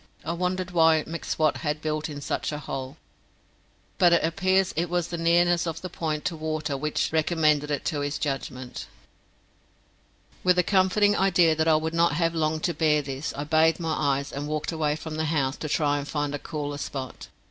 I wondered why M'Swat had built in such a hole, but it appears it was the nearness of the point to water which recommended it to his judgment. With the comforting idea that I would not have long to bear this, I bathed my eyes, and walked away from the house to try and find a cooler spot.